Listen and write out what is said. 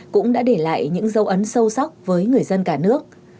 cũng đã để lại những dấu ấn sâu sắc với người dân cả nước